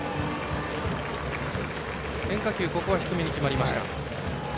変化球、低めに決まりました。